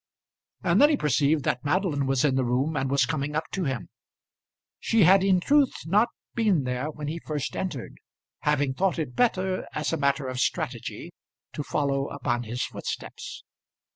And then he perceived that Madeline was in the room and was coming up to him. She had in truth not been there when he first entered, having thought it better, as a matter of strategy, to follow upon his footsteps.